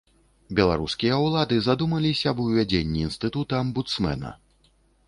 Беларускія ўлады задумаліся аб увядзенні інстытута амбудсмэна.